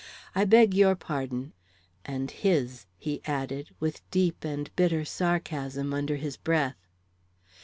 I beg your pardon and his!" he added, with deep and bitter sarcasm, under his breath.